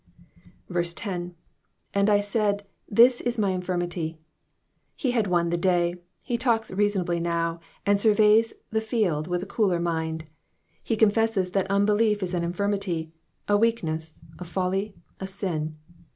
10. ^^And I said, Hiis is my infirmity. ^^ He has won the day, he talks reasonably now, and surveys the field with a cooler mind. He confesses that unbelief Is an infirmity, a weakness, a folly, a sin.